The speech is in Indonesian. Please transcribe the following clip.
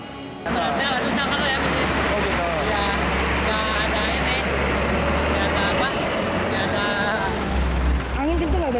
tidak ada airnya tidak ada apa apa